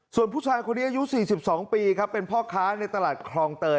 ส่วนผู้ชายคนนี้อายุ๔๒ปีครับเป็นพ่อค้าในตลาดคลองเตย